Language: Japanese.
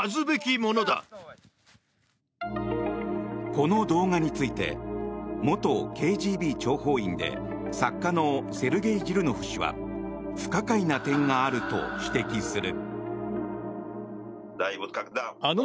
この動画について元ＫＧＢ諜報員で作家のセルゲイ・ジルノフ氏は不可解な点があると指摘する。